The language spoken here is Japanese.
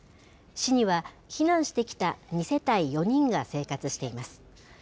市には、避難してきた２世帯４人が生活しています。